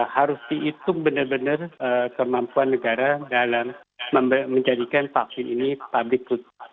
harus dihitung benar benar kemampuan negara dalam menjadikan vaksin ini public good